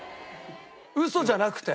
ウソじゃなくて。